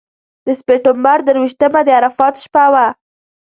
د سپټمبر درویشتمه د عرفات شپه وه.